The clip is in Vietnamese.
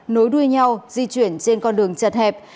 nối đuôi nhau di chuyển trên con đường chật hẹp